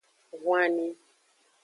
Hwanni.